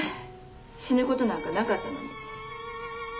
死ぬことなんかなかったのに